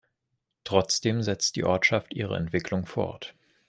Trotzdem setzt die Ortschaft ihre Entwicklung fort.